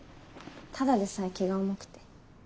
ただでさえ気が重くて。